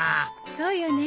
そうよね。